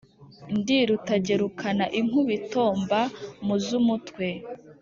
Ndi Rutagerukana inkubito mba mu z' umutwe